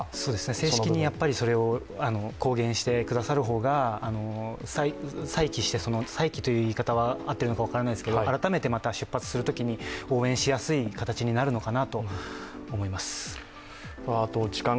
正式にそれを公言してくださる方が、再起してという言い方は合っているか分かりませんが、改めてまた出発するときに、応援しやすい形になるのかなと思います。